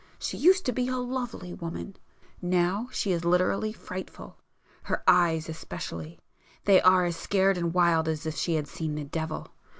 She used to be a lovely woman,—now she is literally frightful. Her eyes especially;—they are as scared and wild as if she had seen the devil.